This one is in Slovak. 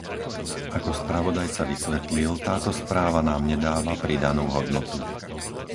Ako spravodajca vysvetlil, táto správa nám nedáva pridanú hodnotu.